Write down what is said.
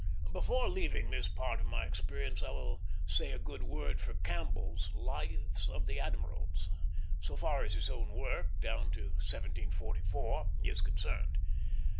Before leaving this part of my experience I will say a good word for Campbell's Lives of the Admirals, so far as his own work down to 1744 is concerned.